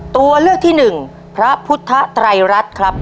ตัวเลือกที่๑พระพุทธไตรรัตค์ครับ